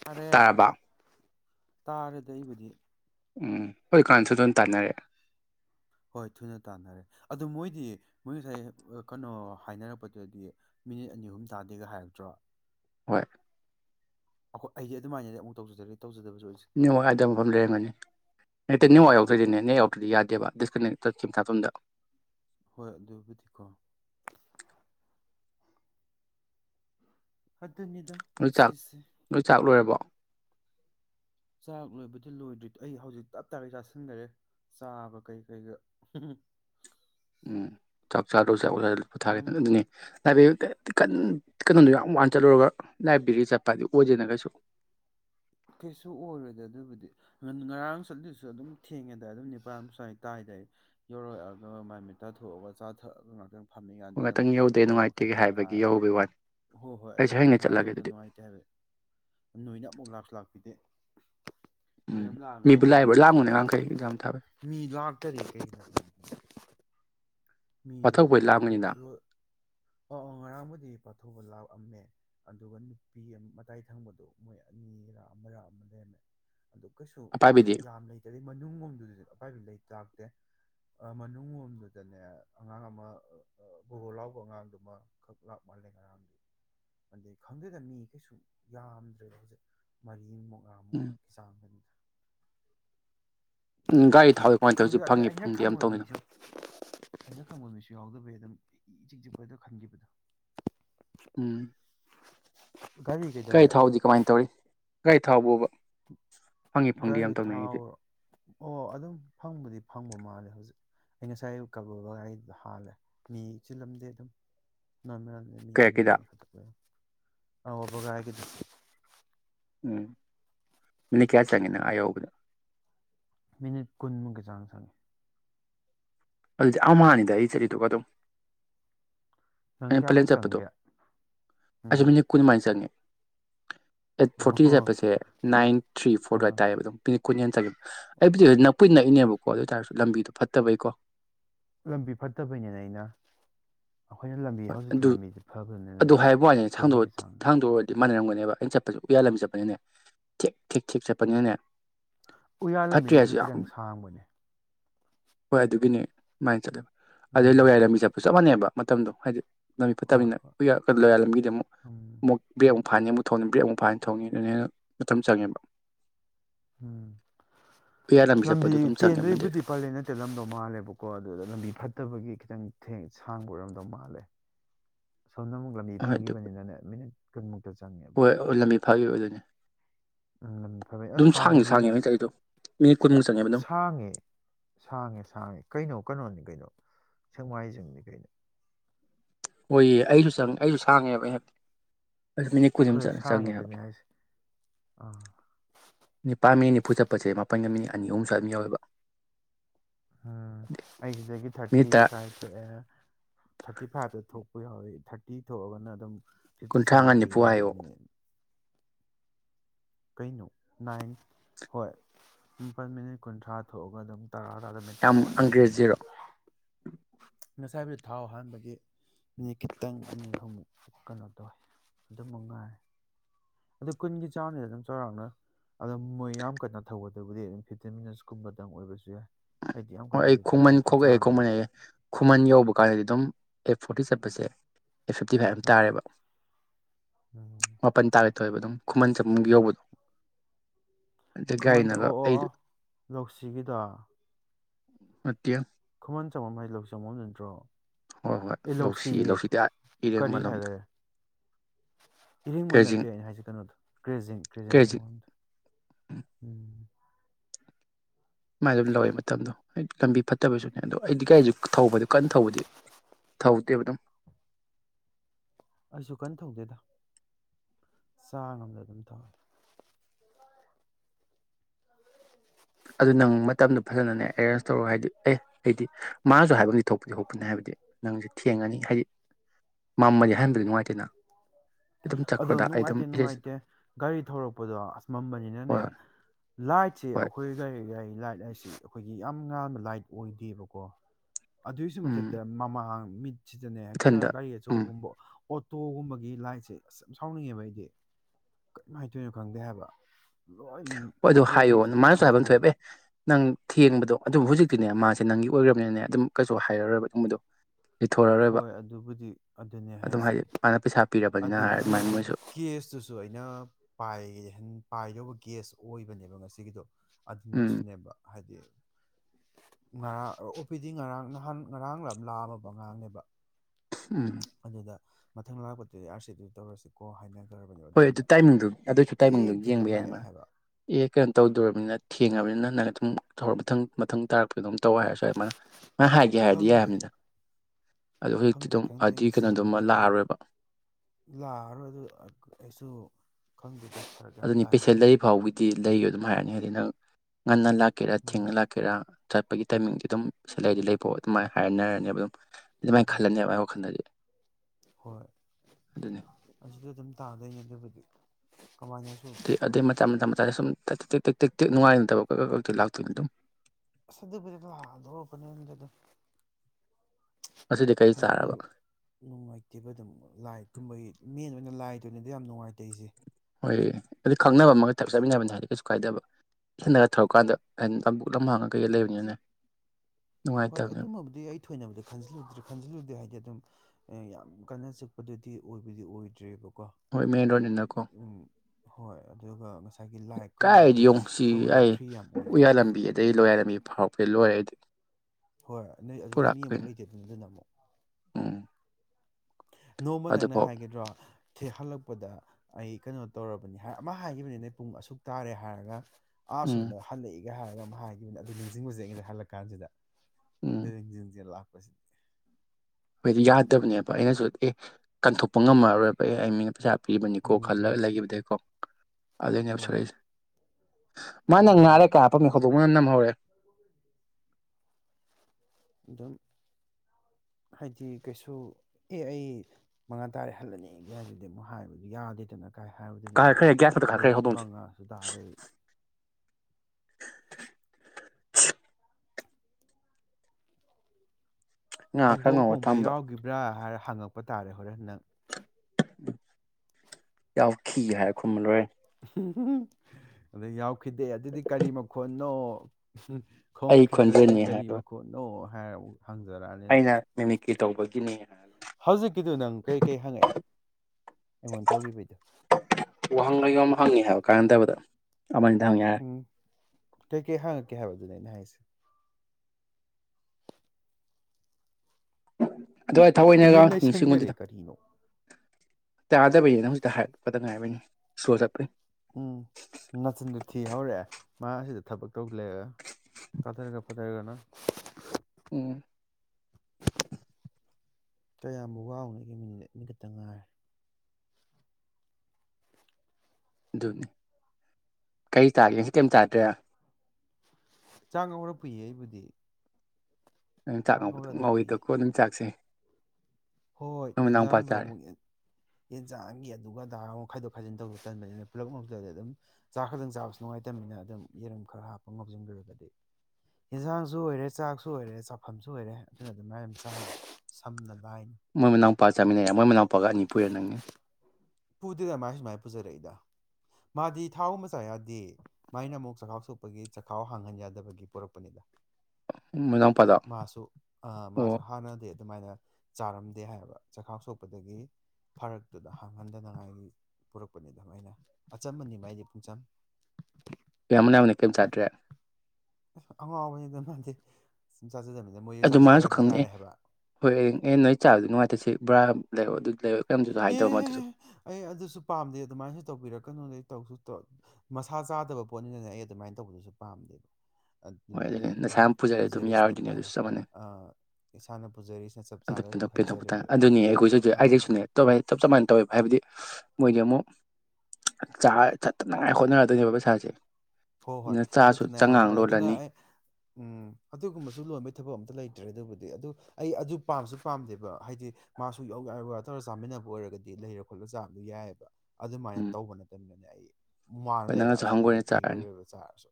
ꯇꯔꯦ ꯇꯥꯔꯕ ꯇꯥꯔꯦꯗꯤ ꯑꯩꯕꯨꯗꯤ ꯎꯝ ꯍꯣꯏ ꯀꯥꯟꯁꯨ ꯑꯗꯨꯝ ꯇꯥꯟꯅꯔꯛꯑꯦ ꯍꯣꯏ ꯊꯨꯅ ꯇꯥꯟꯅꯔꯦ ꯑꯗꯨ ꯃꯣꯏꯗꯤ ꯃꯣꯏ ꯉꯁꯥꯏ ꯀꯩꯅꯣ ꯍꯥꯏꯅꯔꯛꯄꯗꯨꯗꯤ ꯃꯤꯅꯤꯠ ꯑꯅꯤ ꯑꯍꯨꯝ ꯇꯥꯗꯦꯒ ꯍꯥꯏꯔꯛꯇ꯭ꯔꯣ ꯍꯣꯏ ꯑꯩꯈꯣꯏ ꯑꯩꯗꯤ ꯑꯗꯨꯃꯥꯏꯅꯗꯤ ꯑꯃꯨꯛ ꯇꯧꯖꯔꯤ ꯅꯤꯌꯣꯋꯥ ꯍꯥꯏꯥꯏꯗꯕ ꯃꯐꯝ ꯂꯩꯔꯝꯒꯅꯤ ꯅꯛꯇꯦ ꯎꯝ ꯅꯤꯠꯉ ꯈꯪꯗꯦ ꯌꯥꯎꯗꯣꯏꯗꯤꯅꯦ ꯅꯦ ꯌꯥꯎꯗ꯭ꯔꯗꯤ ꯌꯥꯗꯦꯕ ꯗꯤꯁꯀ ꯁꯝ ꯀꯥꯐꯝꯗ ꯍꯣꯏ ꯑꯗꯨꯕꯨꯗꯤꯀꯣ ꯑꯗꯨꯅꯤꯗ ꯅꯣꯏ ꯆꯥꯛ ꯄꯨꯟꯁꯤꯁꯦ ꯅꯣꯏ ꯆꯥꯛ ꯂꯣꯏꯔꯕꯣ ꯆꯥꯛ ꯂꯣꯏꯕꯗꯤ ꯂꯣꯏꯗ꯭ ꯑꯩ ꯍꯧꯖꯤꯛ ꯇꯞꯇꯥꯥꯒꯩ ꯆꯥꯁꯤꯟꯈꯔꯦ ꯆꯥꯒ ꯀꯩ ꯀꯩꯒ ꯎꯝ ꯆꯥꯛ ꯗꯣ ꯑꯣꯖꯥ ꯄꯊꯥꯔꯦꯗ ꯑꯗꯨꯝ ꯑꯗꯨꯅꯤ ꯀꯟ ꯀꯩꯅꯣꯗꯣ ꯌꯥꯝ ꯋꯥꯅ ꯆꯠꯂꯨꯔꯒ ꯂꯥꯏꯕ꯭ꯔꯦꯔꯤ ꯆꯠꯄꯗꯤ ꯑꯣꯏꯗꯦꯅ ꯀꯩꯁꯨ ꯀꯩꯁꯨ ꯑꯣꯏꯔꯗ ꯑꯗꯨꯕꯨꯗꯤ ꯉꯔꯥꯡ ꯆꯠꯂꯤꯁꯨ ꯑꯗꯨꯝ ꯊꯦꯡꯉꯦꯗ ꯑꯗꯨꯝ ꯅꯤꯄꯥꯥꯟ ꯃꯈꯥꯏ ꯇꯥꯏꯗ ꯌꯧꯔꯛꯑꯒ ꯃꯥꯏꯃꯤꯠ ꯇꯥꯊꯣꯛꯑꯒ ꯆꯥꯊꯛꯑꯒ ꯉꯥꯛꯇꯪ ꯐꯝꯃꯤꯀꯥꯟꯗ ꯑꯗꯨꯝ ꯉꯥꯛꯇꯪ ꯌꯧꯗꯦ ꯇꯔꯦꯠ ꯃꯈꯥꯏ ꯅꯨꯡꯉꯥꯏꯇꯦꯒ ꯁ꯭ꯋꯥꯏ ꯍꯥꯏꯕꯒꯤ ꯇꯥꯔ ꯌꯧꯍꯧꯕꯩ ꯋꯥꯅꯤ ꯍꯣꯏ ꯍꯣꯏ ꯑꯩꯁꯨ ꯑꯗꯨꯝ ꯍꯌꯦꯡꯗꯩ ꯉꯥꯏꯍꯥꯛ ꯆꯠꯂꯒꯦ ꯌꯧꯗꯅ ꯑꯗꯨꯗꯤ ꯅꯨꯡꯉꯥꯏꯇꯦ ꯍꯥꯏꯕ ꯅꯣꯏꯅ ꯑꯃꯨꯛ ꯂꯥꯛꯁꯤ ꯇꯥꯛꯄꯤꯗꯦ ꯅꯣꯏ ꯎꯝ ꯑꯝ ꯂꯥꯛꯑ ꯉꯥꯛ ꯃꯤꯕꯨ ꯂꯥꯛꯏꯕ꯭ꯔꯥ ꯎꯅꯔꯁꯨ ꯂꯥꯛꯑꯝꯒꯅꯤ ꯑꯉꯥꯡꯈꯩ ꯑꯦꯛꯖꯥꯝ ꯊꯥꯕꯩ ꯃꯤ ꯂꯥꯛꯇꯔꯤ ꯀꯩ ꯃꯤꯗꯣ ꯋꯥꯊꯧꯕꯣꯏ ꯂꯥꯛꯑꯝꯒꯅꯤꯗ ꯑꯩꯈꯣꯏ ꯑ ꯑ ꯉꯔꯥꯡꯕꯨꯗꯤ ꯄꯥꯊꯧꯍꯣꯏ ꯂꯥꯛ ꯂꯥꯛꯑꯝꯃꯦ ꯑꯗꯨꯒ ꯅꯨꯄꯤ ꯃꯇꯥꯏ ꯊꯪꯕꯗꯣ ꯃꯣꯏ ꯑꯅꯤꯔꯥ ꯑꯃꯔꯥ ꯑꯃ ꯂꯩꯔꯝꯃꯦ ꯑꯗꯨ ꯀꯩꯁꯨ ꯑꯄꯥꯏꯕꯤꯗꯤ ꯌꯥꯝ ꯂꯩꯇ꯭ꯔꯦ ꯃꯅꯨꯡꯂꯣꯝꯗꯨꯗꯗꯤ ꯑꯄꯥꯏꯕ ꯂꯩ ꯂꯥꯛꯇꯦ ꯑ ꯃꯅꯨꯡꯉꯣꯝꯗꯨꯗꯅꯦ ꯑꯉꯥꯡ ꯑꯃ ꯕꯣꯕꯣ ꯂꯥꯎꯕ ꯑꯉꯥꯡꯗꯨꯃꯥꯈꯛ ꯂꯥꯛ ꯃꯥꯜꯂꯦ ꯉꯔꯥꯡꯗꯤ ꯑꯗꯩ ꯈꯪꯗꯦꯗ ꯃꯤ ꯀꯩꯁꯨ ꯌꯥꯝꯗ꯭ꯔꯦ ꯍꯧꯖꯤꯛ ꯃꯔꯤꯃꯨꯛ ꯃꯉꯥꯃꯨꯛꯀꯤ ꯎꯝ ꯆꯥꯡꯗꯅꯤꯗ꯫ ꯎꯝ ꯒꯥꯔꯤ ꯊꯥꯎꯗꯤ ꯀꯃꯥꯏꯅ ꯇꯧꯔꯤ ꯈꯪꯗꯦ ꯍꯧꯖꯤꯛ ꯑꯗꯩ ꯐꯪꯉꯤ ꯑꯩꯅ ꯐꯪꯗꯦ ꯌꯥꯝ ꯈꯪꯕ ꯇꯧꯅꯩꯗꯣ ꯃꯤꯁꯨ ꯑꯩꯅ ꯈꯪꯕ ꯃꯤꯁꯨ ꯌꯥꯎꯗꯕꯩ ꯑꯗꯨꯝ ꯏ ꯆꯤꯛ ꯆꯤꯛꯄꯗꯣ ꯈꯟꯈꯤꯕꯗꯣ ꯎꯝ ꯒꯥꯔꯤ ꯊꯥꯎꯗꯤ ꯀꯃꯥꯏꯅ ꯇꯧꯔꯤ? ꯒꯥꯔꯤ ꯊꯥꯎꯕꯣꯕ ꯒꯥꯔꯤ ꯊꯥꯎ ꯑꯣ ꯑꯗꯨꯝ ꯐꯪꯕꯨꯗꯤ ꯐꯪꯕ ꯃꯥꯜꯂꯦ ꯍꯧꯖꯤꯛ꯫ ꯑꯩ ꯉꯁꯥꯏ ꯑꯌꯨꯛ ꯀꯥꯕꯨꯜꯕꯥꯏꯗꯨꯗ ꯍꯥꯜꯂꯦ ꯃꯤ ꯆꯤꯜꯂꯝꯗꯦ ꯑꯗꯨꯝ꯫ [unintelligible] ꯃꯤ ꯀꯌꯥ ꯑꯃ ꯀꯤꯗ ꯑꯅꯤ ꯈꯛꯇ ꯂꯩꯔꯝꯃꯦ ꯑꯧ ꯋꯥꯕꯒꯥꯏꯒꯤꯗꯨ ꯎꯝ ꯃꯤꯅꯤꯠ ꯀꯌꯥ ꯆꯪꯉꯤ ꯅꯪ ꯑ ꯌꯧꯕꯗ? ꯃꯤꯅꯤꯠ ꯀꯨꯟꯃꯨꯛꯀꯤ ꯆꯥꯡ ꯆꯪꯉꯤ꯫ ꯑꯗꯨꯗꯤ ꯑꯥꯝꯍꯥꯅꯤꯗ ꯑꯩ ꯆꯠꯂꯤꯗꯨꯒ ꯑꯗꯨꯝ꯫ ꯅꯪ ꯑꯩꯅ ꯀꯌꯥꯃꯨꯛ ꯄꯂꯦꯟ ꯆꯠꯄꯗꯣ ꯆꯪꯒꯦ ꯎꯝ ꯑꯩꯁꯨ ꯃꯤꯅꯠ ꯀꯨꯟ ꯃꯥꯏ ꯆꯪꯉꯦ꯫ ꯑꯦꯠ ꯐꯣꯔꯇꯤ ꯑꯣꯍꯣ ꯆꯠꯄꯁꯦ ꯅꯥꯏꯟ ꯊ꯭ꯔꯤ ꯐꯣꯔ ꯑꯥ ꯑꯗꯨꯋꯥꯏ ꯇꯥꯏꯌꯦꯕ ꯑꯗꯨꯝ ꯄ꯫ ꯀꯨꯟ ꯍꯦꯟ ꯆꯪꯉꯦ ꯑꯩꯕꯨꯗꯤ ꯍꯧꯖꯤ ꯅꯛꯄꯨ ꯅꯛꯏꯅꯦꯕꯀꯣ ꯑꯗꯨ ꯑꯣꯏꯇꯥꯔꯁꯨ ꯂꯝꯕꯤꯗꯣ ꯐꯠꯇꯕꯩꯀꯣ ꯂꯝꯕꯤ ꯐꯠꯇꯕꯩꯅꯤꯅꯦ ꯑꯩꯅ ꯑꯈꯣꯏꯅ ꯂꯝꯕꯤ ꯍꯣꯏ ꯑꯗꯨ ꯍꯧꯖꯤꯛꯇꯤ ꯂꯝꯕꯤꯁꯦ ꯐꯕ ꯑꯗꯨ ꯍꯥꯏꯕ ꯋꯥꯅꯦ ꯊꯥꯡꯗꯣꯛꯑ ꯊꯥꯡꯗꯣꯔꯑꯗꯤ ꯃꯥꯟꯅꯔꯝꯒꯅꯦꯕ ꯑꯩꯅ ꯆꯠꯄꯁꯨ ꯎꯌꯥꯜꯂꯝ ꯆꯠꯄꯅꯤꯅꯦ ꯊꯦꯛ ꯊꯦꯛ ꯊꯦꯛ ꯆꯠꯄꯅꯤꯅꯅꯦ‌ ꯎꯌꯥꯜꯂꯝꯕꯤꯅꯕꯨꯗꯤ ꯈꯤꯇꯪ ꯁꯥꯡꯕꯅꯦ꯫ ꯍꯣꯏ ꯑꯗꯨꯒꯤꯅꯦ ꯑꯗꯨꯃꯥꯏꯅ ꯆꯠꯂꯦ꯫ ꯑꯗꯨꯗꯩ ꯎꯝ ꯂꯒꯥꯏꯔꯝꯃꯤ ꯆꯠꯄ ꯆꯞ ꯃꯥꯟꯅꯩꯕ ꯃꯇꯝꯗꯣ ꯍꯥꯏꯗꯤ ꯂꯝꯕꯤ ꯍꯣꯏ ꯐꯠꯇꯃꯤꯅ ꯍꯣꯏ ꯎꯌꯥ ꯈꯣꯏ ꯂꯣꯌꯥꯜꯂꯝꯒꯤꯗꯤ ꯎꯝ ꯑꯃꯨꯛ ꯕꯦ ꯑꯃꯨꯛ ꯐꯅꯤ ꯑꯃꯨꯛ ꯊꯧꯅꯤ ꯕ꯭ꯔꯦꯛ ꯑꯃꯨꯛ ꯐꯥꯏꯅꯤ ꯊꯧꯅꯤ ꯑꯗꯨꯅꯦꯅ ꯃꯇꯝ ꯆꯪꯉꯦꯕ ꯎꯝ ꯎꯌꯥꯟ ꯂꯝꯕꯤ ꯂꯝꯗꯤ ꯆꯠꯄꯗꯣ ꯑꯗꯨꯝ ꯆꯪꯉꯦꯕ ꯃꯤꯅꯤꯠ ꯇꯦꯟꯗꯣꯏꯕꯨꯗꯤ ꯄꯜꯂꯦ ꯅꯠꯇꯦ ꯆꯠꯂꯝꯗꯧ ꯃꯥꯜꯂꯦꯕꯀꯣ ꯑꯗꯨꯗ ꯂꯝꯕꯤ ꯐꯠꯇꯕꯒꯤ ꯈꯤꯇꯪꯦꯡ ꯁꯥꯡꯕ ꯑꯣꯏꯔꯝꯗꯧ ꯃꯥꯜꯂꯦ ꯁꯣꯝꯅ ꯑꯃꯨꯛ ꯂꯝꯕꯤ ꯍꯣꯏ ꯑꯗꯨ ꯐꯈꯤꯕꯅꯤꯅ ꯃꯤꯅꯤꯠ ꯀꯃ ꯂꯝꯕꯤ ꯐꯥꯒꯤ ꯑꯣꯏꯖ ꯎ ꯎ ꯐꯃꯦ ꯑꯁ ꯍꯥꯟꯅꯒꯤ ꯁꯥꯡꯉꯦꯕ ꯑꯩꯅ ꯆꯠꯂꯤꯗꯣ ꯃꯤꯅꯤꯠ ꯀꯨꯟꯃꯨꯛ ꯆꯪꯉꯦꯕ ꯑꯗꯨꯝ ꯁꯥꯡꯉꯦ ꯁꯥꯡꯉꯦ ꯁꯥꯡꯉꯦ ꯀꯩꯅꯣ ꯀꯩꯅꯣꯅꯤ ꯀꯩꯅꯣ ꯁꯦꯡꯃꯥꯏꯖꯤꯡꯅꯤ ꯀꯩꯅꯣ ꯍꯣꯏꯌꯦ ꯑꯩꯁꯨ ꯆꯪꯉꯦ ꯑꯩꯁꯨ ꯁꯥꯡꯉꯦꯕ ꯑꯩꯍꯤ ꯑꯁ ꯃꯤꯅꯤꯠ ꯀꯨꯟ ꯑꯃ ꯍꯣꯏ ꯆꯠꯅ ꯁꯥꯡꯉꯦ ꯆꯪꯉꯦ ꯍꯥꯏꯕ ꯑꯗꯨꯅꯦ ꯍꯥꯏꯁꯦ ꯑꯥ ꯅꯤꯄꯥꯥꯟ ꯃꯤ ꯅꯤꯐꯨ ꯆꯠꯄꯁꯦ ꯃꯥꯄꯟꯒ ꯃꯤꯅꯤ ꯑꯅꯤ ꯑꯍꯨꯝ ꯁ꯭ꯋꯥꯏ ꯑꯗꯨꯝ ꯌꯥꯎꯋꯦꯕ ꯎꯝ ꯑꯩꯁꯤꯗꯒꯤ ꯊꯥꯔꯇꯤ ꯃꯤꯅꯤꯠꯇ ꯐꯥꯏꯚ ꯊꯣꯛꯑꯦ ꯊꯥꯔꯇꯤ ꯐꯥꯏꯚꯇ ꯊꯣꯛ ꯌꯥꯎꯋꯦ ꯊꯥꯔꯇꯤ ꯊꯣꯛꯑꯒꯅ ꯑꯗꯨꯝ ꯀꯤꯤ ꯀꯨꯟꯊ꯭ꯔꯥꯉꯥ ꯁꯥꯏꯃꯠꯇ ꯅꯤꯐꯨ ꯍꯥꯏꯌꯣ ꯌꯧꯔꯅꯤ ꯀꯩꯅꯣ ꯅꯥꯏꯟ ꯍꯣꯏ ꯃꯥꯄꯥꯜ ꯃꯤꯅꯤꯠ ꯀꯨꯟꯊ꯭ꯔꯥ ꯊꯣꯛꯑꯒ ꯑꯗꯨꯝ ꯇꯔꯥ ꯇꯥꯗ ꯃꯤꯠ ꯇꯔꯥ ꯌꯥꯝ ꯋꯥꯠꯅꯤ ꯑꯗꯨꯒꯨꯝꯕ ꯑꯪꯒ꯭ꯔꯦꯖꯤꯔꯣ ꯉꯁꯥꯏꯕꯨꯗꯤ ꯊꯥꯎ ꯑꯍꯥꯟꯕꯒꯤ ꯃꯤꯅꯤꯠ ꯈꯤꯇꯪ ꯑꯅꯤꯨꯛ ꯀꯩꯅꯣ ꯇꯧꯋꯦ ꯑꯗꯨꯝ ꯉꯥꯏꯦ ꯑꯗꯨ ꯀꯨꯟꯒꯤ ꯆꯥꯡꯝꯁꯤꯗ ꯑꯗꯨꯝ ꯆꯔꯥꯛꯅ ꯑꯗꯣ ꯃꯣꯏ ꯌꯥꯝ ꯀꯟꯅ ꯊꯧꯒꯗꯕꯨꯗꯤꯟ ꯐꯤꯞꯇꯤꯟ ꯃꯤꯅꯠꯁ ꯀꯨꯝꯕꯗꯪ ꯑꯣꯏꯕꯁꯨ ꯌꯥꯏ ꯑꯩꯗꯤ ꯌꯥꯝ ꯍꯣꯏ ꯑꯩ ꯀꯟꯅꯗꯤ ꯊꯧꯗꯦ ꯈꯨꯃꯟ ꯑꯗꯨꯝ ꯈꯣꯛꯂꯛꯑꯦ ꯆꯥꯡ ꯑꯃꯗ ꯈꯨꯃꯟꯑꯦ ꯈꯨꯃꯟ ꯌꯧꯕ ꯀꯥꯟꯗꯗꯤ ꯑꯗꯨꯝ ꯑꯦ ꯐꯣꯔꯇꯤ ꯆꯠꯄꯁꯦ ꯑꯦꯠ ꯐꯤꯞꯇꯤ ꯐꯥꯏꯚ ꯑꯃ ꯎꯝ ꯇꯥꯔꯦꯕ ꯎꯝ ꯃꯥꯄꯜ ꯇꯥꯒ ꯊꯣꯛꯣꯛꯑꯦꯕ ꯑꯗꯨꯝ ꯈꯨꯃꯟ ꯆꯐꯝ ꯌꯧꯕꯗꯣ ꯒꯥꯏꯅꯂꯣ ꯑꯩꯗꯨ ꯂꯧꯁꯤꯒꯤꯗ ꯑꯌꯥ ꯈꯨꯃꯟ ꯆꯃꯝ ꯍꯥꯏꯗꯤ ꯂꯧ ꯆꯃꯝ ꯅꯠꯇ꯭ꯔꯣ ꯍꯣꯏ ꯍꯣꯏ ꯑꯦ ꯂꯧꯁꯤ ꯂꯧꯁꯤꯌꯦ ꯂꯧꯁꯤꯗꯤ ꯑꯥ ꯀꯔꯤ ꯏꯔꯦꯡꯕ ꯂꯣꯝꯗ ꯍꯥꯏꯈꯔꯦ ꯏꯔꯤꯡꯕ ꯀꯦꯔꯖꯤꯡ ꯅꯠꯇꯦ ꯑꯩꯅ ꯍꯥꯏꯁꯤ ꯀꯩꯅꯣꯗꯣ ꯀ꯭ꯔꯦꯖꯤꯡ ꯀ꯭ꯔꯦꯖꯤꯡ ꯀꯦꯔꯖꯤꯡ ꯆꯗ ꯎꯝ ꯁꯨꯃꯥꯏꯅ ꯑꯗꯨꯝ ꯂꯧꯋꯦ ꯃꯇꯝꯗꯣ ꯑꯩ ꯂꯝꯕꯤ ꯐꯠꯇꯕꯁꯨꯅꯦ ꯑꯗꯣ ꯑꯩꯗꯤ ꯒꯥꯔꯤꯁꯨ ꯊꯧꯕꯗ ꯀꯟꯅ ꯊꯧꯕꯗꯤ ꯊꯧꯗꯦꯕ ꯑꯗꯨꯝ ꯑꯩꯁꯨ ꯀꯟꯅ ꯊꯧꯗꯦꯗ ꯆꯥꯅꯕꯝꯗ ꯑꯗꯨꯝ ꯊꯧ ꯑꯗꯨ ꯅꯪ ꯃꯇꯝꯗꯨ ꯐꯖꯅꯅꯦ ꯑꯦꯔꯦꯟꯖ ꯇꯧꯔ ꯍꯥꯏꯗꯤ ꯑꯦ ꯑꯩꯗꯤ ꯃꯥꯁꯨ ꯍꯥꯏꯐꯝꯗꯤ ꯊꯣꯛꯄꯗꯤ ꯍꯄꯅꯤ ꯍꯥꯏꯕꯗꯤ ꯅꯪꯁ ꯊꯦꯡꯉꯅꯤ ꯍꯥꯏꯗꯤ ꯃꯝꯃꯗꯤ ꯍꯟꯕꯗꯤ ꯅꯨꯡꯉꯥꯏꯇꯦꯅ ꯑꯗꯨꯝ ꯑꯗꯣ ꯆꯠꯈ꯭ꯔꯣꯗ ꯑꯩ ꯑꯗꯨꯝ ꯅꯨꯡꯉꯥꯏꯇꯦ ꯅꯨꯡꯉꯥꯏꯇꯦ ꯒꯥꯔꯤ ꯊꯧꯔꯛꯄꯗꯣ ꯑꯁ ꯃꯝꯕꯅꯤꯅꯅꯦ ꯍꯣꯏ ꯂꯥꯏꯠꯁꯦ ꯍꯣꯏ ꯑꯩꯈꯣꯏ ꯌꯥꯏ ꯌꯥꯏ ꯂꯥꯏꯠ ꯍꯥꯏꯁꯤ ꯑꯩꯈꯣꯏꯒꯤ ꯌꯥꯝ ꯉꯥꯟꯕ ꯂꯥꯏꯠ ꯑꯣꯏꯗꯦꯕꯀꯣ ꯑꯗꯨꯒꯤꯁꯨ ꯎꯝ ꯃꯊꯠꯇ ꯃꯃꯥ ꯍꯥꯡ ꯃꯤ ꯁꯤꯗꯅꯦ ꯍꯦꯛꯇ ꯏꯊꯟꯗ ꯒꯥꯔꯤ ꯎꯝ ꯑꯆꯧꯕꯒꯨꯝꯕ ꯑꯣꯇꯣꯒꯨꯝꯕꯒꯤ ꯂꯥꯏꯠꯁꯦ ꯑ ꯁꯥꯎꯅꯤꯡꯉꯦꯕ ꯑꯩꯗꯤ ꯀꯝꯥꯏꯇꯣꯏꯅꯣ ꯈꯪꯗꯦ ꯍꯥꯏꯕ ꯂꯣꯏ ꯍꯣꯏ ꯑꯗꯨ ꯍꯥꯏꯌꯣ ꯑꯣꯇꯣꯒꯨꯝꯕꯁꯦ ꯍꯦꯛꯇ ꯃꯥꯅꯁꯨ ꯍꯥꯏꯐꯝ ꯑꯃ ꯊꯣꯛꯑꯦꯕ ꯊꯥꯝꯖꯤꯜꯂꯦꯕ ꯑꯦ ꯅꯪ ꯊꯦꯡꯕꯗꯣ ꯑꯗꯨꯕꯨ ꯍꯧꯖꯤꯛ ꯑꯗꯨꯅꯦ ꯃꯥꯁꯦ ꯅꯪꯒꯤ ꯑꯣꯏꯈ꯭ꯔꯕꯅꯤꯅꯅꯦ ꯑꯗꯨꯝ ꯀꯩꯁꯨ ꯍꯥꯏꯔꯔꯣꯏꯕ ꯑꯗꯨꯨꯝꯝꯕꯗꯣ ꯍꯣꯏ ꯑꯗꯨꯕꯨꯗꯤ ꯑꯗꯨꯅꯦ ꯑꯗꯨꯝ ꯍꯥꯏꯁꯦ ꯍꯥꯏꯗꯤ ꯃꯥꯅ ꯄꯩꯁꯥ ꯄꯤꯔꯕꯅꯤꯅ ꯍꯥꯏꯔ ꯑꯗꯒꯤ ꯑꯗꯨꯃꯥꯏꯅ ꯃꯣꯏꯁꯨ ꯀꯦꯁꯇꯨꯁꯨ ꯑꯩꯅ ꯄꯥꯏ ꯄꯥꯏꯗꯧꯕ ꯀꯦꯁꯇꯣ ꯑꯣꯏꯕꯅꯦꯕ ꯉꯁꯤꯒꯤꯗꯣ ꯎꯝ ꯑꯗꯨꯅꯁꯨꯅꯦꯕ ꯍꯥꯏꯗꯤ ꯉꯔꯥꯡ ꯑꯣ ꯄ ꯗꯤ ꯉꯔꯥꯡ ꯅꯍꯥꯟ ꯉꯔꯥꯡ ꯂ ꯂꯥꯛꯑꯕ ꯉꯥꯡꯅꯦꯕ ꯕꯥ ꯎꯝ ꯑꯗꯨꯗ ꯃꯊꯪ ꯂꯥꯛꯄꯗꯨꯗꯤ ꯑꯥꯔ ꯁꯤ ꯇꯤꯗ ꯇꯧꯔꯁꯤꯀꯣ ꯍꯥꯏꯅ ꯍꯣꯏ ꯑꯗꯨ ꯇꯥꯏꯃꯤꯡꯗꯨ ꯑꯗꯨꯏꯁꯨ ꯇꯥꯏꯃꯤꯡꯗꯨꯣ ꯊꯦꯡꯅ ꯌꯦꯡꯕ ꯂꯥꯛꯑꯦ ꯌꯥꯏꯗꯃ ꯍꯥꯏꯕ ꯑꯦ ꯀꯩꯅꯣ ꯇꯧꯗꯣꯔꯕꯅꯤꯅ ꯊꯦꯡꯉꯕꯅꯤꯅ ꯅꯪꯅ ꯑꯗꯨꯝꯔ ꯃꯊꯪ ꯃꯊꯪ ꯇꯥꯔꯛꯄ ꯑꯗꯨꯝ ꯇꯧ ꯍꯥꯏꯔꯁꯨ ꯑꯩ ꯃꯥ ꯃꯥꯅ ꯍꯥꯏꯒꯦ ꯍꯥꯏꯔꯗꯤ ꯈꯪꯗꯦ ꯌꯥꯔꯕꯅꯤꯅ ꯈꯪꯗꯦ ꯈꯪꯗꯦ ꯉꯁꯤꯗꯨꯃꯗꯤ ꯂꯥꯛꯑꯔꯣꯏꯕ ꯂꯥꯛꯑꯔꯣꯏ ꯑꯗꯨ ꯨ ꯈꯪꯗꯦ ꯑꯗꯨꯅꯤ ꯄꯦꯁꯦꯟ ꯂꯩꯔꯤ ꯐꯥꯎꯕꯒꯤꯗꯤ ꯂꯩ ꯑꯗꯨꯝ ꯍꯥꯏꯔꯅꯤ ꯍꯥꯏꯗꯤ ꯅꯪ ꯉꯟꯅ ꯂ ꯂꯥꯛ ꯀꯦꯔꯥ ꯊꯦꯡ ꯎꯝ ꯂꯥꯛ ꯀꯦꯔꯥ ꯆꯠꯄꯒꯤ ꯇꯥꯏꯃꯤꯡꯗꯤ ꯑꯗꯨꯝ ꯁꯤꯂꯗꯤ ꯂꯩꯕꯣ ꯑꯗꯨꯃꯥꯏꯅ ꯍꯥꯏꯅꯔꯅꯦꯕ ꯑꯗꯨꯝ ꯑꯗꯨꯃꯥꯏꯅ ꯎꯝ ꯈꯜꯂꯅꯤ ꯃꯥꯏ ꯋꯥꯈꯜꯗꯗꯤ ꯍꯣꯏ ꯑꯗꯨꯅꯤ ꯇꯥꯗ ꯌꯦꯖꯕꯗꯤ ꯑꯗꯨꯗꯩ ꯃꯆꯥ ꯃꯆꯥ ꯃꯆꯥꯦ ꯁꯨꯝ ꯇꯦꯛ ꯇꯦꯛ ꯅꯨꯡꯉꯥꯏꯅꯗꯕ ꯀ ꯀ ꯀꯛꯆꯦ ꯂꯥꯛꯇꯣꯏꯅꯤ ꯑꯗꯨꯝ ꯑꯁ ꯑꯗꯨꯕꯤꯔ ꯂꯥꯛꯗꯄꯅꯤꯗ ꯑꯗꯨ ꯉꯁꯤꯗꯤ ꯀꯔꯤ ꯍꯟꯗꯛꯄꯗꯨ ꯆꯥꯔꯕ ꯅꯨꯡꯉꯥꯏꯇꯦꯕ ꯑꯗꯨꯝ ꯂꯥꯏꯛꯀꯨꯝꯕꯒꯤꯦꯟ ꯑ ꯂꯥꯏꯗꯣꯏꯅꯤꯗꯤ ꯌꯥꯝ ꯅꯨꯡꯉꯥꯏꯇꯦ ꯑꯩꯁꯦ ꯍꯣꯏ ꯑꯗꯨ ꯈꯪꯅꯕ ꯑꯃꯒꯞ ꯆꯠꯃꯤꯟꯅꯕꯅꯤ ꯍꯥꯏꯗꯤ ꯀꯩꯁꯨ ꯀꯥꯏꯗꯕ ꯏꯊꯟꯅꯔ ꯊꯧꯔꯀꯥꯟꯗ ꯂꯕꯨꯛ ꯂꯝꯍꯥꯡꯉ ꯀꯩꯀ ꯂꯩꯕꯅꯤꯅꯦ ꯍꯣꯏ ꯑꯗꯨꯃꯕꯨꯗꯤ ꯑꯩ ꯊꯣꯏꯅꯕꯨꯗꯤ꯭ꯔ ꯈꯟꯖꯤꯜꯂꯨꯗ꯭ꯔꯦ ꯍꯥꯏꯗꯤ ꯑꯗꯨꯝ ꯌꯥꯝ ꯀꯟꯅ ꯆꯤꯄꯗꯨꯗꯤ ꯑꯣꯏꯕꯗꯤ ꯑꯣꯏꯗ꯭ꯔꯦꯕꯀꯣ ꯍꯣꯏ ꯃꯦꯟ ꯔꯣꯗꯅꯤꯅꯀꯣ ꯎꯝ ꯍꯣꯏ ꯑꯗꯨꯒ ꯉꯁꯥꯏ ꯀꯥꯏꯗꯤ ꯌꯦꯡꯉ ꯁꯤ ꯑꯩ ꯌꯥꯝ ꯑꯣꯏꯗꯦ ꯎꯌꯥꯜꯂꯝꯕꯤ ꯑꯗꯩ ꯂꯣꯌꯥꯂꯝꯕꯤ ꯐꯥꯎꯕ ꯐꯂ ꯑꯣꯏꯔ ꯍꯥꯏꯗꯤ ꯍꯣꯏ ꯍꯣꯏ ꯅꯣꯏ ꯑꯗꯨꯗꯤ ꯃꯤ ꯑꯃꯨꯛ ꯂꯩꯇꯦꯗꯅꯤ ꯑꯗꯨꯅ ꯑꯃꯨꯛ ꯎꯝ ꯅꯣꯡꯃ ꯅꯪꯅ ꯑꯗꯨꯐꯥꯎ ꯍꯥꯏꯒꯗ꯭ꯔꯣ ꯊꯦꯛꯍꯜꯂꯛꯄꯗ ꯑꯩ ꯀꯩꯅꯣ ꯇꯧꯔꯕꯅꯤ ꯑꯃ ꯍꯥꯏꯈꯤꯕꯅꯤꯅꯦ ꯄꯨꯡ ꯑꯁꯨꯛ ꯇꯥꯔꯦ ꯍꯥꯏꯔꯒ ꯑꯥ ꯎꯝ ꯁꯗꯔ ꯍꯂ ꯂꯩ ꯍꯥꯏꯔꯒ ꯑꯃ ꯍꯥꯏꯈꯤꯕꯅꯤ ꯑꯗꯨ ꯅꯤꯡꯁꯤꯡꯕꯁꯦ ꯑꯩꯩꯅ ꯍꯜꯂꯛ ꯀꯥꯟꯁꯤꯗ [unintelligible] [inaudible] ꯎꯝ ꯑꯩꯈꯣꯏꯗꯤ ꯌꯥꯗꯕꯅꯦꯕ ꯑꯩꯅꯁꯨ ꯑꯦ ꯀꯟꯊꯣꯛꯄ ꯉꯝꯃꯔꯣꯏꯕ ꯑꯦ ꯑꯩ [unintelligible] ꯄꯤꯕꯅꯤꯀꯣ ꯎꯝ ꯈꯜꯂꯒ ꯂꯩꯈꯤꯕꯗꯩꯀꯣ ꯑꯗꯩꯅꯦꯕ ꯍꯣꯏ ꯁꯣꯏꯔꯛꯏꯁꯦ ꯃꯥꯅ ꯃꯥꯅꯦ ꯉꯥꯏꯍꯥꯛ ꯂꯩꯔꯒ [unintelligible] [unintelligible] ꯑꯗꯨꯝ ꯍꯥꯏꯗꯤ ꯀꯩꯁꯨ ꯑꯦ ꯑꯩ ꯃꯉꯥ ꯇꯥꯔꯦ ꯍꯜꯂꯅꯤꯒꯦ ꯍꯥꯏꯗꯨꯗꯤ ꯑꯃꯨꯛ ꯍꯥꯏꯕꯗꯨ ꯌꯥꯗꯦꯗꯅ ꯀꯥꯏ ꯍꯥꯏꯔꯨꯗꯣꯏꯅ ꯑꯗꯨꯕꯨ ꯀꯥꯈꯠꯈ꯭ꯔꯦ ꯒ꯭ꯌꯥꯁ ꯃꯊꯛ ꯀꯥꯈꯠꯈ꯭ꯔꯦ ꯑꯗꯨꯗꯩꯩ ꯍꯧꯗꯣꯡꯁꯦ ꯃꯉꯥꯁꯨ ꯇꯥꯍꯜꯂꯗꯤ [unintelligible] ꯉꯥ ꯈꯔ ꯍꯧꯗꯣꯡ ꯉꯧꯔ ꯈꯣꯡꯕ ꯊꯝꯕ ꯌꯥꯎꯈꯤꯕ꯭ꯔꯥ ꯍꯥꯏꯔ ꯍꯥꯡꯉꯛꯄ ꯇꯥꯔꯦ ꯍꯣꯔꯦꯟ ꯅꯪ ꯌꯥꯎꯈꯤ ꯍꯥꯏꯔ ꯈꯨꯝꯃ ꯂꯣꯏꯔꯦ ꯑꯗꯩ ꯌꯥꯎ ꯈꯤꯗꯦ ꯑꯗꯨꯗꯤ ꯀꯔꯤ ꯃꯈꯣꯟꯅꯣ ꯎꯝ ꯑꯩ ꯈꯣꯡꯈꯤꯗ꯭ꯔꯗꯤ ꯈꯣꯟꯖꯦꯜꯅꯤ ꯀꯔꯤ ꯍꯥꯏꯔ ꯂꯣꯏꯔꯦ ꯃꯈꯣꯟꯅꯣ ꯍꯥꯏ ꯍꯪꯖꯔꯛꯑꯅꯤꯃꯛ ꯑꯩꯅ ꯃꯤꯃꯤꯀ꯭ꯔꯤ ꯇꯧꯕꯒꯤꯅꯤ ꯍꯥꯏꯔ ꯂꯣꯏꯔꯦ ꯍꯧꯖꯤꯛꯀꯤꯗꯨ ꯅꯪ ꯀꯩꯀꯩ ꯍꯪꯉꯛꯑꯦ ꯑꯩꯉꯣꯟꯗ ꯇꯧꯈꯤꯕꯩꯗꯨ ꯋꯥꯍꯪꯒ ꯌꯣꯝ ꯍꯪꯉꯤ ꯍꯥꯏꯕ ꯀꯥꯟꯅꯗꯕꯗ ꯑꯃꯅꯤꯗ ꯍꯪ ꯌꯥꯔꯦ ꯎꯝ ꯀꯩ ꯀꯩ ꯍꯪꯉꯛꯀꯦ ꯍꯥꯏꯕ [inaudible] ꯑꯗꯨ ꯊꯑꯣꯏꯅ ꯀ ꯇꯨꯃꯤꯟ ꯂꯩꯁꯟꯈꯔꯦ ꯅꯤꯡꯁꯤꯡꯉꯨꯗꯦꯗ ꯀꯔꯤꯅꯣ ꯇꯥꯗꯕꯩꯅꯤꯅ ꯍꯧꯖꯤꯛꯇ ꯍꯥꯏꯔꯛꯄꯗ ꯉꯥꯏꯔꯤꯕꯩꯅꯤ ꯁꯂ꯭ꯣ ꯆꯠꯄꯩ ꯎꯝ ꯅꯥꯆꯤꯟꯗꯨ ꯊꯤ ꯍꯧꯔꯛꯑꯦ ꯃꯥ ꯑꯁꯤꯗ ꯊꯕꯛ ꯇꯧ ꯂꯩꯔꯒ ꯀꯥꯗꯔꯒ ꯐꯗꯔꯒꯅ ꯎꯝ ꯀꯌꯥꯝ ꯋꯥꯎꯅꯦꯒꯦ ꯃꯤꯅꯤꯠ ꯑꯅꯤꯈꯛꯇ ꯉꯥꯏꯔꯦ ꯑꯗꯨꯅꯤ ꯀꯔꯤ ꯇꯥꯒꯦ ꯀꯩꯝ ꯇꯥꯗ꯭ꯔꯦ ꯆꯥꯡ ꯉꯧꯔ ꯄꯨꯏꯌꯦ ꯑꯩꯕꯨꯗꯤ ꯅꯪ ꯆꯥꯛ ꯉꯧꯔ ꯉꯧꯕꯗꯝ ꯑꯗꯨꯝ ꯄꯨꯏꯌꯦ ꯉꯧꯋꯤꯗꯀꯣ ꯅꯪ ꯆꯥꯛꯁꯦ ꯍꯣꯏ ꯃꯣꯏ ꯃꯅꯥꯎꯄꯥ ꯌꯦꯟꯁꯥꯡꯗꯣ ꯆꯥꯔꯦ ꯑꯃꯨꯛ ꯌꯦꯟꯁꯥꯡꯒꯤ ꯑꯗꯨꯒ ꯑꯗꯥꯒ ꯑꯃꯨꯛ ꯈꯥꯏꯗꯣꯛ ꯈꯥꯏꯖꯤꯟ ꯇꯧꯕꯗꯣ ꯇꯟꯕꯅꯤꯅ ꯄꯨꯜꯂꯞ ꯍꯧꯖꯜꯂꯦ ꯑꯗꯨꯝ ꯆꯥꯛ ꯈꯛꯇꯪ ꯆꯥꯕꯁꯨ ꯅꯨꯡꯉꯥꯏꯇꯕꯅꯤꯅ ꯑꯗꯨꯝ ꯌꯦꯔꯨꯝ ꯈꯔ ꯍꯥꯞꯄ ꯉꯥꯎꯁꯤꯟꯗꯣꯔꯤꯕ ꯌꯦꯟꯁꯥꯡꯁꯨ ꯑꯣꯏꯔꯦ ꯆꯥꯛꯁꯨ ꯑꯣꯏꯔꯦ ꯆꯥꯐꯝꯁꯨ ꯑꯣꯏꯔꯦ ꯑꯗꯨꯅ ꯑꯗꯨꯃꯥꯏ ꯆꯥꯏ ꯁꯝꯅ ꯂꯥꯏꯅ ꯃꯣꯏ ꯃꯅꯥꯎꯄꯥ ꯆꯥꯃꯤꯟꯅꯩꯌꯦ ꯃꯣꯏ ꯃꯅꯥꯎꯄꯥꯒ ꯑꯅꯤ ꯄꯨꯔꯦ ꯅꯪ ꯄꯨꯗꯦꯗ ꯃꯥꯏ ꯁꯨꯃꯥꯏꯅ ꯄꯨꯖꯔꯛꯏꯗ ꯃꯥꯗꯤ ꯊꯥꯎꯒꯨꯝ ꯆꯥ ꯌꯥꯗꯦ ꯃꯥꯏꯅ ꯑꯃꯨꯛ ꯆꯥꯛꯈꯥꯎ ꯁꯣꯛꯄꯒꯤ ꯆꯥꯛꯈꯥꯎ ꯍꯥꯡꯍꯟ ꯌꯥꯗꯕꯒꯤ ꯄꯣꯔꯛꯄꯅꯤꯗ ꯃꯅꯥꯎꯄꯥꯗꯣ ꯃꯥꯁꯨ ꯑ ꯑꯣ ꯃꯥꯁꯁꯨ ꯍꯥꯥꯅꯗ ꯑꯗꯨꯃꯥꯏꯅ ꯆꯥꯔꯝꯗꯦ ꯍꯥꯏꯌꯦꯕ ꯆꯈꯥꯎ ꯁꯣꯛꯄꯗꯒꯤ ꯐꯔꯛꯇꯨꯗ ꯍ ꯃꯥꯡꯍꯟꯊꯅꯉꯥꯏꯒꯤ ꯄꯨꯔꯛꯄꯅꯤ ꯑꯗꯨꯃꯥꯏꯅ ꯑꯆꯝꯕꯅꯤ ꯃꯥꯏꯗꯤ ꯄꯨꯡꯆꯝ ꯌꯥꯝ ꯃꯅꯅ ꯀꯩꯝ ꯆꯥꯗ꯭ꯔꯦ ꯑꯉꯥꯎꯕꯅꯤꯗꯥ ꯑꯗꯨ ꯃꯥꯅꯁꯨ ꯈꯪꯗꯦ ꯍꯣꯏ ꯑꯩꯅ ꯂꯣꯏ ꯆꯥꯕꯗꯣ ꯅꯨꯡꯉꯥꯏꯇꯦ ꯁꯤ ꯕꯣꯔꯥ ꯂꯩꯔꯛ ꯑꯗꯨ ꯂꯩ ꯑꯦꯍ ꯑꯩ ꯑꯗꯨꯁꯨ ꯄꯥꯝꯗꯦ ꯑꯗꯨꯃꯥꯏꯅꯁꯨ ꯇꯧꯕꯤꯔꯛꯀꯅꯨꯗ ꯇꯧ ꯗꯣ ꯃꯁꯥ ꯆꯥꯗꯕ ꯄꯣꯠꯅꯤꯅꯅꯦ ꯑꯩ ꯑꯗꯨꯃꯥꯏꯅ ꯇꯧꯕꯗꯨꯁꯨ ꯄꯥꯝꯗꯦꯕ ꯍꯣꯏ ꯑꯗꯨꯅ ꯑꯗꯨꯅꯦ ꯑꯗꯨꯝ ꯉꯁꯥ ꯑꯩ ꯌꯥꯝ ꯄꯨꯖꯔꯦ ꯑꯗꯨꯝ ꯄꯨꯖꯔꯤꯁꯤꯅ ꯌꯥꯔꯣꯏꯗꯣꯏꯅꯦ ꯐꯔꯦ ꯑꯗꯨꯁꯨ ꯆꯞ ꯃꯥꯟꯅꯩ ꯑꯥ ꯏꯁꯥꯅ ꯄꯨꯖꯔꯤꯁꯤꯅ ꯆꯞ ꯑꯗꯨ ꯆꯥꯅ ꯑꯗꯨꯝ ꯄꯦꯟꯊꯣꯛ ꯄꯦꯟꯊꯣꯛꯄꯗ ꯈꯟꯖꯔꯦꯕ ꯑꯗꯨꯅꯤꯅꯦ ꯑꯩꯈꯣꯏꯁꯨ ꯑꯥ ꯑꯩꯗꯁꯨꯅꯦ ꯇꯣꯚꯩ ꯆꯞ ꯆ ꯃꯥꯟꯅ ꯇꯧꯋꯦꯕ ꯍꯥꯏꯕꯗꯤ ꯃꯣꯏꯗꯤ ꯑꯃꯨꯛ ꯆꯥ ꯆꯠꯇꯅꯉꯥꯏ ꯍꯣꯠꯅꯔꯗꯣꯏꯅꯦꯕ ꯄꯩꯁꯥꯁꯦ ꯍꯣꯏ ꯍꯣꯏ ꯑꯗꯨꯅ ꯆꯥꯁꯨ ꯆꯠꯇꯅꯉꯥꯏ ꯆꯉꯥꯡ ꯍꯣꯠꯅꯔꯦ ꯑꯗꯨꯅ ꯂꯣꯜꯂꯅꯤ ꯑꯩ ꯎꯝ ꯑꯗꯨꯒꯨꯝꯕꯁꯨ ꯂꯣꯟꯕꯩ ꯊꯕꯛ ꯑꯝꯇ ꯂꯩꯇ꯭ꯔꯦ ꯑꯗꯨꯕꯨꯗꯤ ꯑꯗꯨ ꯑꯩ ꯑꯗꯨ ꯄꯥꯝꯁꯨ ꯄꯥꯝꯗꯦꯕ ꯍꯥꯏꯗꯤ ꯃꯥꯁꯨ ꯋꯥꯔ ꯇꯧꯔ ꯆꯥꯃꯤꯟꯅꯕ ꯑꯣꯏꯔꯒꯗꯤ ꯂꯩꯔ ꯈꯣꯠꯂ ꯆꯥꯕꯗꯨ ꯌꯥꯏꯑꯕ ꯑꯗꯨꯃꯥꯏꯅ ꯎꯝ ꯇꯧꯕ ꯅꯠꯇꯕꯅꯤ [inaudible] ꯃꯥꯥꯜꯂꯥ ꯍꯣꯏ ꯂꯩꯔꯦ ꯅꯪꯅꯁꯨ ꯑꯥꯁꯦ ꯑꯩꯉꯣꯟꯗ ꯍꯪꯒꯣꯏꯅ ꯐ꯭ꯔꯤ ꯆꯥꯔꯅꯤ ꯑꯣꯏꯔꯣꯏꯕ ꯆꯥꯔꯁꯨ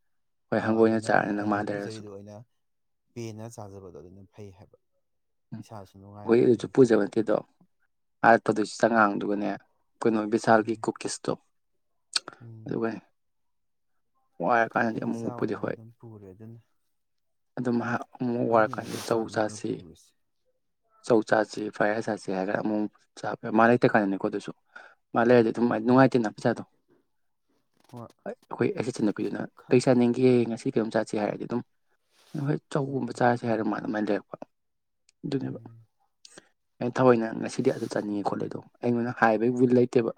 ꯍꯣꯏ ꯑꯥ ꯍꯪꯒꯣꯏꯅ ꯑꯗꯨꯅ ꯑꯩ ꯆꯥꯔꯅꯤ ꯅꯪ ꯃꯥ ꯑꯩꯅ ꯂꯩꯔꯁꯨ ꯄꯨꯖꯔꯤꯗꯣ ꯑꯣꯏꯅ ꯄꯦꯅ ꯆꯥꯖꯕꯗꯣ ꯑꯗꯨꯅ ꯐꯩ ꯍꯥꯏꯕ ꯎꯝ ꯏꯁꯥꯁꯨ ꯍꯣꯏ ꯅꯨꯡꯉꯥꯏꯕ ꯑꯗꯨꯅ ꯑꯗꯨꯁꯨ ꯄꯨꯖꯕ ꯐꯩꯌꯦꯕ ꯅꯠꯇꯦꯗꯣ ꯑꯥꯔꯄꯣꯗꯁꯨ ꯍꯣꯏ ꯆꯉꯥꯡꯗꯨꯒꯅꯦ ꯀꯩꯅꯣ ꯁꯥꯔꯒꯤ ꯎꯝ ꯀꯨꯀꯤꯁꯇꯣ ꯎꯝ ꯑꯗꯨ ꯀꯩ ꯋꯥꯏꯔꯀꯥꯟꯗꯗꯤ ꯑꯩ ꯑꯃꯨꯛ ꯆꯥ ꯃꯨꯛꯄꯨꯗꯤ ꯑꯣꯏꯅ ꯍꯣꯏ ꯑꯗꯨꯝ ꯄꯨꯔꯦ ꯑꯗꯨꯅ ꯑꯗꯨꯝ ꯍꯥꯏ ꯑꯃꯨꯛ ꯑꯗꯨꯅꯅꯦ ꯋꯥꯏꯔꯀꯥꯟꯗꯗꯤ ꯑꯩꯅ ꯆꯧ ꯆꯥꯛ ꯉꯧꯔ ꯆꯥꯁꯤ ꯄꯨꯔꯤꯁꯦ ꯆꯧ ꯆꯥꯁꯤ ꯐ꯭ꯔꯥꯏ ꯔꯥꯏꯁ ꯆꯥꯁꯤ ꯌꯥꯔꯦ ꯑꯃꯨꯛ ꯃꯥ ꯂꯩꯇꯦ ꯀꯥꯟꯗꯅꯤꯀꯣ ꯑꯗꯨꯁꯨ ꯃꯥ ꯂꯩꯔꯗꯤ ꯑꯗꯨꯝ ꯎꯝ ꯅꯨꯡꯉꯥꯏꯇꯦꯅ ꯄꯩꯁꯥꯗꯣ ꯍꯣꯏ ꯑꯩꯈꯣꯏ ꯑꯩꯆ ꯏꯠꯆꯤꯟꯅꯄꯤꯗꯨꯅ ꯀꯔꯤ ꯈꯪꯗꯦ ꯆꯥꯅꯤꯡꯒꯦ ꯉꯁꯤ ꯀꯩꯅꯣꯝ ꯆꯥꯁꯦ ꯍꯥꯏꯔꯗꯤ ꯑꯗꯨꯝ ꯍꯣꯏ ꯎꯝ ꯆꯧꯒꯨꯝꯕ ꯆꯥꯔꯁꯦ ꯍꯥꯏꯔ ꯃꯥꯜꯂꯦ ꯑꯗꯨ ꯃꯥꯏ ꯇꯧꯋꯦ ꯑꯩꯈꯣꯏ ꯑꯗꯨꯅꯦꯕꯥ ꯎꯝ ꯑꯩ ꯊꯑꯣꯏꯅ ꯉꯁꯤꯗꯤ ꯑꯗꯨ ꯆꯠꯅꯤꯡꯉꯦ ꯈꯣꯠꯂꯦ ꯑꯗꯣ ꯑꯩꯉꯣꯟꯗ ꯍꯥꯏꯕꯒꯤ ꯋꯤꯜ ꯂꯩꯇꯦꯕ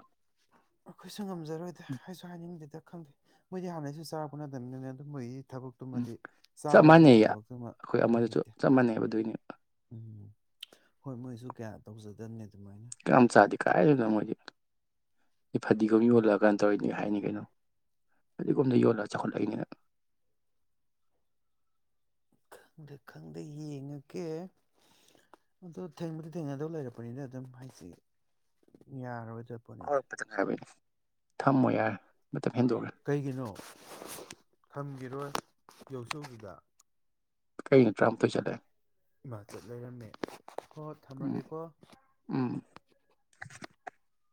ꯑꯩꯈꯣꯏꯁꯨ ꯉꯝꯖꯔꯣꯏꯗꯦ ꯍꯥꯏꯁꯨ ꯍꯥꯏꯅꯤꯡꯗꯦꯗ ꯈꯪꯗꯦ ꯃꯣꯏ ꯍꯥꯟꯅꯁꯤꯁꯨ ꯆꯔꯅ ꯃꯣꯏ ꯎꯝ ꯊꯕꯛꯇꯨꯃꯗꯤ ꯆꯞ ꯆꯥꯕꯗꯨꯃꯒꯤ ꯃꯥꯟꯅꯩꯌꯦ ꯊꯕꯛꯇꯨꯃ ꯑꯩꯈꯣꯏ ꯄ ꯑꯃꯗꯨꯁꯨ ꯂꯩꯇꯦ ꯆꯞ ꯃꯥꯟꯅꯩꯕ ꯑꯗꯨꯏꯅꯦ ꯎꯝ ꯍꯣꯏ ꯃꯣꯏꯁꯨ ꯀꯌꯥ ꯇꯧꯖꯗꯅꯤ ꯑꯗꯨꯃꯥꯏꯅ ꯀꯌꯥꯝ ꯆꯥꯗꯦ ꯀꯥꯏꯗꯅꯣ ꯃꯣꯏꯗꯤ ꯐꯗꯤꯒꯣꯝ ꯌꯣꯜꯂꯛꯑ ꯀꯥꯟꯅ ꯇꯧꯔꯤꯅꯤ ꯍꯥꯏꯅꯤ ꯀꯩꯅꯣ ꯐꯗꯤꯒꯣꯝꯗ ꯌꯣꯜꯂꯒ ꯆꯥꯎꯈꯠꯂꯛꯏꯅꯤꯅ ꯈꯪꯗꯦ ꯈꯪꯗꯦ ꯌꯦꯡꯉꯀꯦ ꯑꯗꯣ ꯊꯦꯡꯕꯗꯤ ꯊꯦꯡꯅꯗꯧ ꯂꯩꯔꯛꯄꯅꯤꯅ ꯑꯗꯨꯝ ꯍꯥꯏꯁꯤ ꯌꯥꯔꯣꯏ ꯍꯂꯄꯗꯅ ꯍꯥꯏꯕ ꯊꯝꯃꯣ ꯌꯥꯔꯦ ꯃꯇꯝ ꯍꯦꯟꯗꯣꯛꯈ꯭ꯔꯦ ꯀꯩꯒꯤꯅꯣ ꯈꯪꯒꯤꯔꯣꯏ ꯌꯧꯁꯧꯁꯤꯗ ꯀꯩ ꯅ ꯇ꯭ꯔꯝ ꯇ ꯆꯂ ꯏꯃꯥꯆꯠ ꯂꯩꯔꯝꯃꯦ ꯍꯣꯏ ꯎꯝ ꯊꯝꯃꯒꯦꯀꯣ ꯎꯝ [inaudible]